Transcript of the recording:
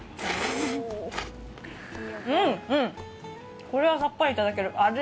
うんうん、これはさっぱりいただける味